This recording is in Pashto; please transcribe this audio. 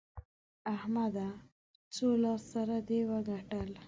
احمده! څو لاس سره دې وګټل؟